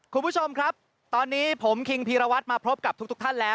คุณผู้ชมครับตอนนี้ผมคิงพีรวัตรมาพบกับทุกท่านแล้ว